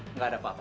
nggak ada apa apa